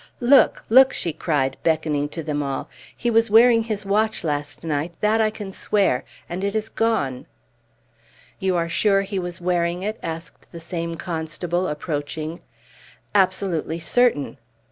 "Look! look!" she cried, beckoning to them all. "He was wearing his watch last night; that I can swear; and it has gone!" "You are sure he was wearing it?" asked the same constable, approaching. "Absolutely certain."